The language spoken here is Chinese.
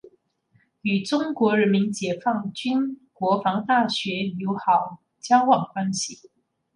与中国人民解放军国防大学友好交往关系。